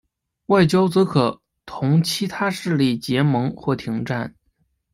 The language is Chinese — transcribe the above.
外交则可同其他势力结盟或停战。